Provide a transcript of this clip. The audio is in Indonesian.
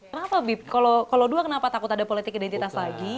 kenapa bip kalau dua kenapa takut ada politik identitas lagi